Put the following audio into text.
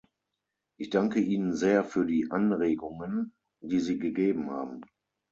Ich danke Ihnen sehr für die Anregungen, die Sie gegeben haben.